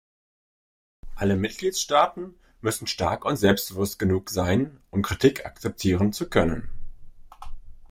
Alle Mitgliedstaaten müssen stark und selbstbewusst genug sein, um Kritik akzeptieren zu können.